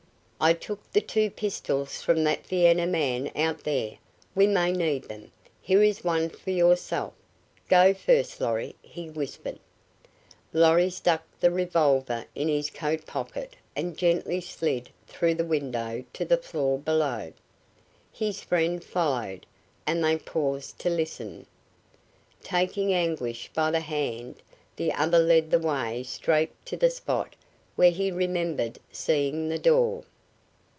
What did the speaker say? "I took the two pistols from that Vienna man out there. We may need them. Here is one for yourself. Go first, Lorry," he whispered. Lorry stuck the revolver in his coat pocket and gently slid through the window to the floor below. His friend followed, and they paused to listen. Taking Anguish by the hand the other led the way straight to the spot where he remembered seeing the door.